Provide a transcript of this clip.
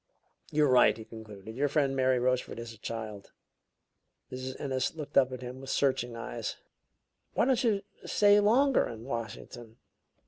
"You're right," he concluded; "your friend Mary Rochefort is a child." Mrs. Ennis looked up at him with searching eyes. "Why don't you stay longer in Washington?"